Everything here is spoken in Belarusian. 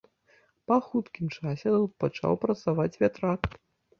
Па хуткім часе тут пачаў працаваць вятрак.